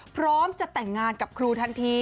พร้อมจะแต่งงานกับครูทันที